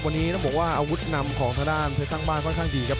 วันนี้ต้องบอกว่าอาวุธนำของทางด้านเพชรสร้างบ้านค่อนข้างดีครับ